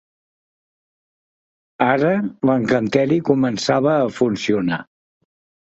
Ara l'encanteri començava a funcionar.